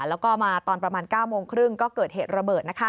แล้วก็มาตอนประมาณ๙โมงครึ่งก็เกิดเหตุระเบิด